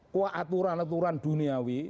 kuah aturan aturan duniawi